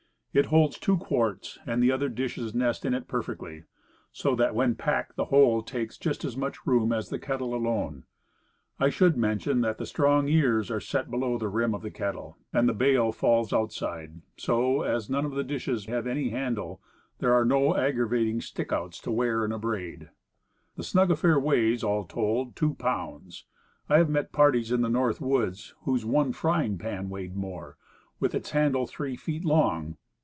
It holds two quarts, and the other dishes nest in it perfectly, so that when packed the whole take just as much room as the kettle alone. I should mention that the strong ears are set below the rim of the kettle, and the bale falls outside, so, as none of the dishes have any handle, there are no aggravating "stickouts" to wear and abrade. The snug affair weighs, all told, two pounds. I have met parties in the North Woods whose one frying pan weighed more with its handle three feet long.